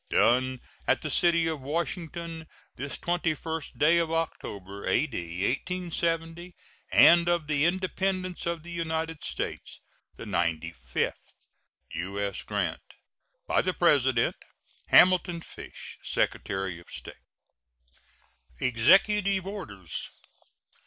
[SEAL.] Done at the city of Washington, this 21st day of October, A.D. 1870, and of the Independence of the United States the ninety fifth. U.S. GRANT. By the President: HAMILTON FISH, Secretary of State. EXECUTIVE ORDERS.